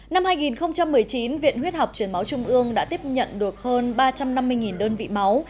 năm hai nghìn một mươi chín viện huyết học truyền máu trung ương đã tiếp nhận được hơn ba trăm năm mươi đơn vị máu